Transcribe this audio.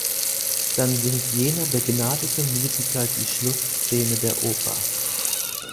Dann singt jener begnadete Musiker die Schlussszene der Oper.